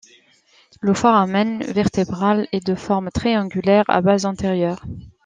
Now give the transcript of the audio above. Le foramen vertébral est de forme triangulaire à base antérieure.